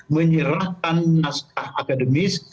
menyerahkan naskah akademis